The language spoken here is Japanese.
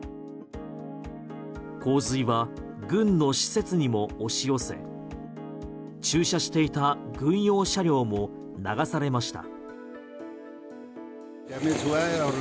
洪水は軍の施設にも押し寄せ駐車していた軍用車両も流されました。